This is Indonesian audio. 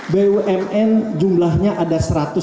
bumn jumlahnya ada satu ratus delapan belas